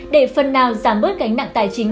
để phần nào giảm bớt gánh nặng tài chính